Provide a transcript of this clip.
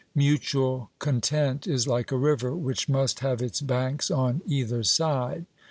Mutual content is like a river, which must have its banks on either side.